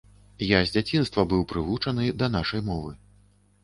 Я з дзяцінства быў прывучаны да нашай мовы.